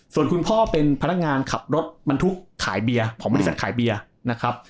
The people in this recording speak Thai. ส่วนคุณพ่อเป็นพนักงานขับรถบรรทุกขายเบียร์ของบริษัทขายเบียร์นะครับ